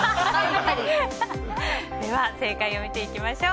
では正解を見ていきましょう。